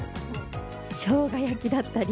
しょうが焼きだったり